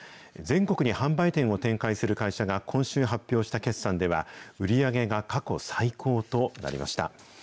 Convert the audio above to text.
全国に販売店を展開する会社が今週発表した決算では、売り上げが過去最高となりました。